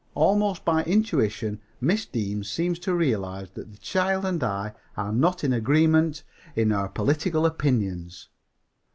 Almost by intuition Miss Deane seems to realize that the child and I are not in agreement in our political opinions.